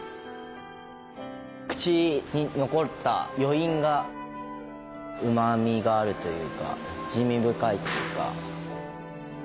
口に残った余韻がうまみがあるというか滋味深いっていうか。